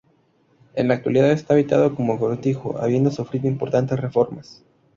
En la actualidad está habitado como cortijo, habiendo sufrido importantes reformas.